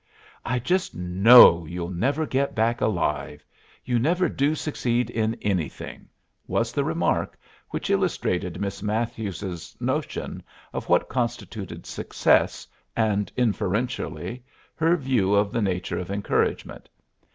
"I just know you'll never get back alive you never do succeed in anything," was the remark which illustrated Miss Matthews's notion of what constituted success and, inferentially, her view of the nature of encouragement.